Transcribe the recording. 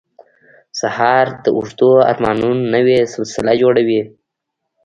سهار د اوږدو ارمانونو نوې سلسله جوړوي.